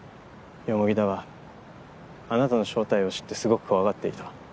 田はあなたの正体を知ってすごく怖がっていた。